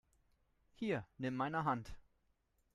Hier, nimm meine Hand!